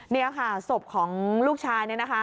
นี่ค่ะศพของลูกชาย